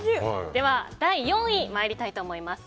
第４位、参りたいと思います。